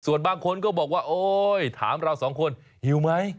ส่วนบางคนก็บอกว่าโอ๊ยถามเราสองคนหิวไหม